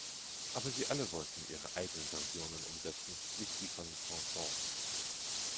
Aber sie alle wollten ihre eigenen Versionen umsetzen, nicht die von Van Sant.